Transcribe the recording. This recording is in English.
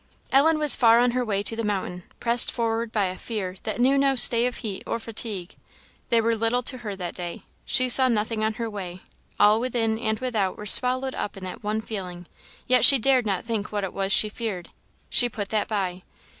Ellen was far on her way to the mountain, pressed forward by a fear that knew no stay of heat or fatigue: they were little to her that day. She saw nothing on her way; all within and without were swallowed up in that one feeling; yet she dared not think what it was she feared. She put that by.